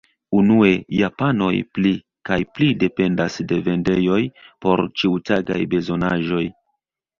Unue, japanoj pli kaj pli dependas de vendejoj por ĉiutagaj bezonaĵoj.